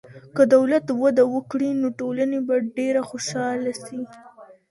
که دولت وده وکړي، نو ټولني به ډېره خوشحاله سي.